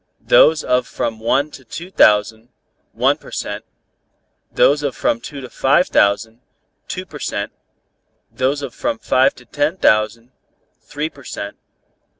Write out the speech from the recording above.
those of from one to two thousand, one per cent.; those of from two to five thousand, two per cent.; those of from five to ten thousand, three per cent.